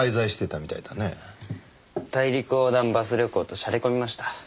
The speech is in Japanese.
大陸横断バス旅行としゃれ込みました。